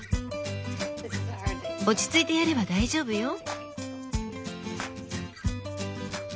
落ち着いてやれば大丈夫よ。